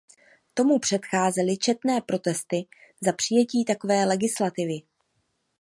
Tomu předcházely četné protesty za přijetí takové legislativy.